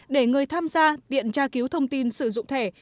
để người tham gia tiện tra cứu thông tin sử dụng thẻ